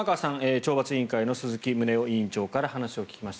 懲罰委員会の鈴木宗男委員長から話を聞きました。